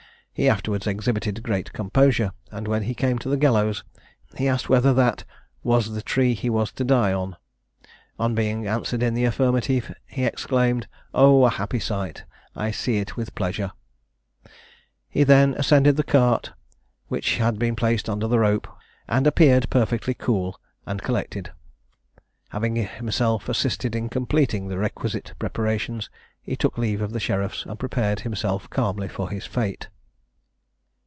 He afterwards exhibited great composure, and when he came to the gallows, he asked whether that "was the tree he was to die on?" On being answered in the affirmative, he exclaimed, "Oh! a happy sight, I see it with pleasure." He then ascended the cart, which had been placed under the rope, and appeared perfectly cool and collected. Having himself assisted in completing the requisite preparations, he took leave of the sheriffs, and prepared himself calmly for his fate.